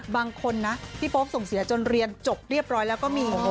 บางคนนะพี่โป๊ปส่งเสียจนเรียนจบเรียบร้อยแล้วก็มี